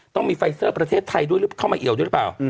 ต้องมีไฟเซอร์ประเทศไทยเข้ามาเอียวหรือเปล่า